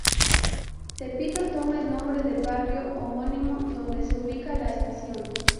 Tepito toma el nombre del barrio homónimo donde se ubica la estación.